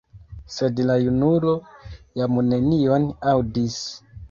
Sed la junulo jam nenion aŭdis.